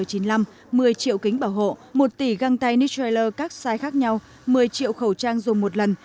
một mươi triệu kính bảo hộ một tỷ găng tay niche trailer các size khác nhau một mươi triệu khẩu trang dùng một lần